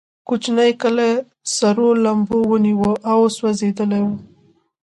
کوچنی کلی سرو لمبو ونیو او سوځېدلی و.